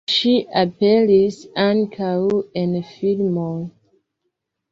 Ŝi aperis ankaŭ en filmoj.